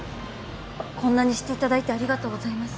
こんなにしていただいてありがとうございます。